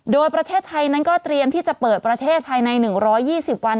โดยประเทศไทยนั้นก็เตรียมที่จะเปิดประเทศภายใน๑๒๐วัน